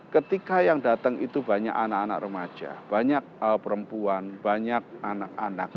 ketika yang datang itu banyak anak anak remaja banyak perempuan banyak anak anak